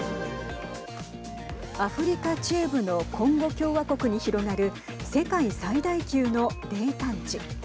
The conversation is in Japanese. アフリカ中部のコンゴ共和国に広がる世界最大級の泥炭地。